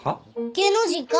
芸能人か？